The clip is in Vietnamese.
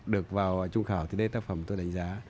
được vào trung khảo thì đây tác phẩm tôi đánh giá